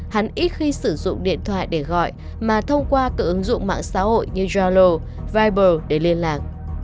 hắn ít khi sử dụng điện thoại để gọi mà thông qua các ứng dụng mạng xã hội như yolo viber để liên lạc